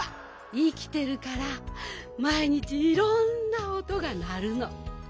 いきてるからまいにちいろんなおとがなるの。